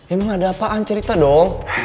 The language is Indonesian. emang ada apaan cerita dong